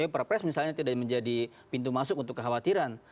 perpres misalnya tidak menjadi pintu masuk untuk kekhawatiran